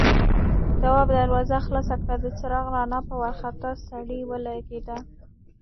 تواب دروازه خلاصه کړه، د څراغ رڼا په وارخطا سړي ولګېده.